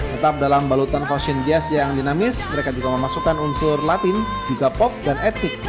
tetap dalam balutan fashion jazz yang dinamis mereka juga memasukkan unsur latin juga pop dan etik